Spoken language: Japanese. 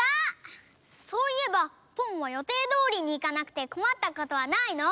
そういえばポンは予定どおりにいかなくてこまったことはないの？